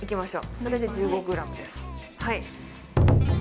それで１５グラムです。